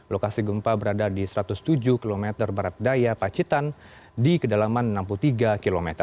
lokasi gempa berada di satu ratus tujuh km barat daya pacitan di kedalaman enam puluh tiga km